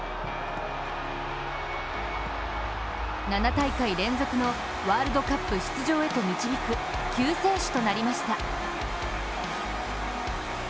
７大会連続のワールドカップ出場へと導く救世主となりました。